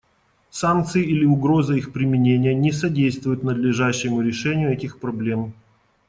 Санкции или угроза их применения не содействуют надлежащему решению этих проблем.